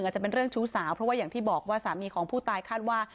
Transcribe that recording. อาจจะเป็นเรื่องชู้สาวเพราะว่าอย่างที่บอกว่าสามีของผู้ตายคาดว่า